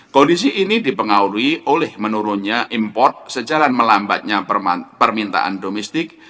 kondisi ini dipengaruhi oleh menurunnya import sejalan melambatnya permintaan domestik